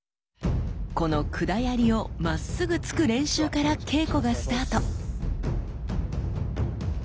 この管槍をまっすぐ突く練習から稽古がスタート。